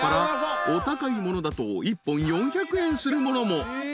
お高いものだと１本４００円するものも］